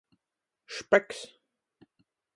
Špeks.